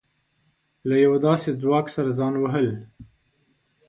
له يوه داسې ځواک سره ځان وهل.